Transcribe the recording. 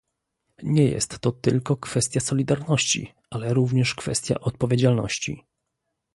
Nie jest to tylko kwestia solidarności, ale również kwestia odpowiedzialności